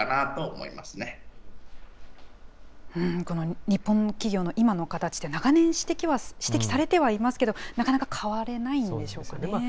この日本の企業の今の形って、長年指摘されてはいますけれども、なかなか変われないんでしょうかね。